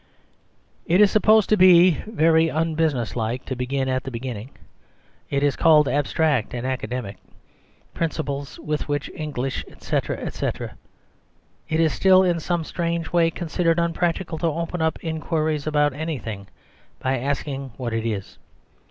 It is supposed to be very unbusinesslike to begin at the beginning. It is called "abstract and academic principles with which we Eng lish, etc., etc." It is still in some strange way considered unpractical to open up inquiries about anything by asking what it is.